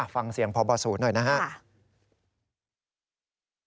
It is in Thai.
ฟังเสียงพบศูนย์หน่อยนะครับ